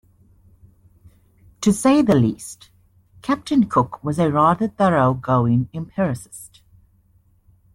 To say the least, Captain Cook was a rather thorough going empiricist.